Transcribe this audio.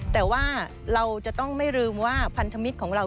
แต่ว่าเราจะต้องไม่ลืมว่าพันธมิตรของเรา